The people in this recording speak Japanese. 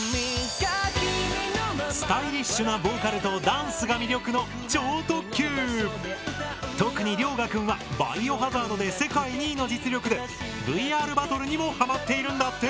スタイリッシュなボーカルとダンスが魅力の特にリョウガくんは「バイオハザード」で世界２位の実力でＶＲバトルにもハマっているんだって！